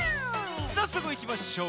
さっそくいきましょう。